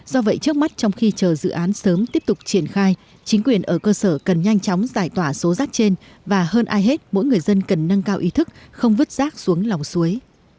do vậy trước mắt trong khi chờ dự án sớm tiếp tục triển khai chính quyền ở cơ sở cần nhanh chóng giải tỏa số rác trên và hơn ai hết mỗi người dân cần nâng cao ý thức không vứt rác xuống lòng suối